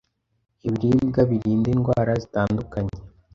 Ibiribwa birinda indwara zitandukanye